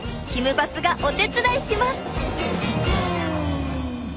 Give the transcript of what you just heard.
バスがお手伝いします！